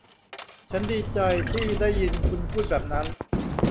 ฉันดีใจที่ได้ยินคุณพูดแบบนั้น